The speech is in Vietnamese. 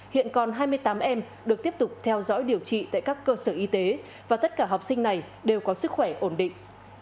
hiện còn hai mươi tám em được tiếp tục theo dõi điều trị tại các cơ sở y tế và tất cả học sinh này đều có sức khỏe ổn định